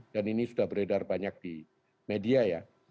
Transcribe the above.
dan ini sudah beredar banyak di media ya